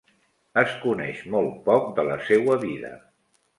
Es coneix molt poc de la seua vida.